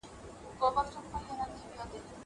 زه ښوونځی ته نه ځم!